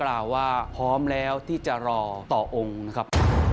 เราว่าพร้อมแล้วที่จะรอต่อองค์นะครับ